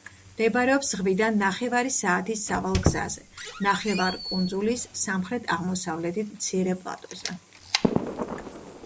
მდებარეობს ზღვიდან ნახევარი საათის სავალ გზაზე, ნახევარ კუნძულის სამხრეთ-აღმოსავლეთით მცირე პლატოზე.